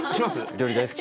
料理大好き。